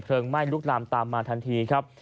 เพลงไหม้รุกรามตามมาทันทีครับ